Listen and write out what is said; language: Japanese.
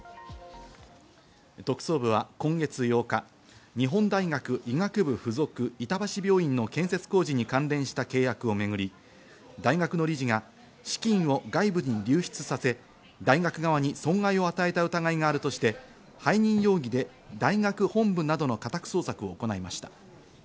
特捜部は今月８日、日本大学医学部附属板橋病院の建設工事に関連した契約をめぐり大学の理事が資金を外部に流出させ大学側に損害を与えた疑いがあるとして背任容疑で大学本部などの家宅捜索を行いました。